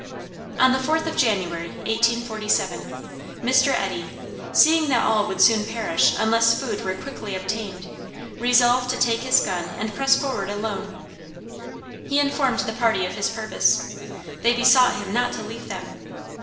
On the 4th of January, 1847, Mr. Eddy, seeing that all would soon perish unless food were quickly obtained, resolved to take his gun and press forward alone. He informed the party of his purpose. They besought him not to leave them.